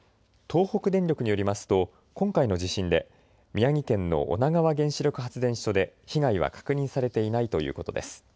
東北電力によりますと今回の地震で宮城県の女川原子力発電所で被害は確認されていないということです。